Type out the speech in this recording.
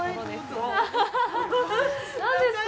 何ですか？